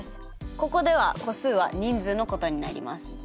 ここでは個数は人数のことになります。